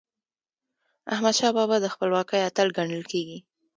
احمدشاه بابا د خپلواکی اتل ګڼل کېږي.